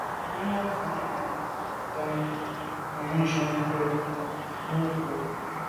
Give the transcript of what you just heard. Náná cɛ̌d nɛ̂n ntɔ́nə́ nə̀ jún á kə̂ bû kə̂.